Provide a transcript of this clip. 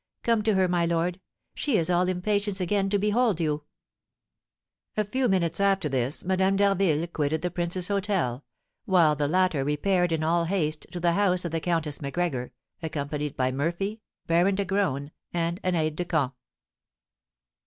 Come to her, my lord, she is all impatience again to behold you!" A few minutes after this Madame d'Harville quitted the prince's hôtel, while the latter repaired in all haste to the house of the Countess Macgregor, accompanied by Murphy, Baron de Graün, and an aide de camp.